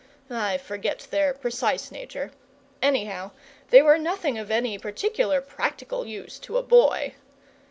I forget their precise nature; anyhow, they were nothing of any particular practical use to a boy.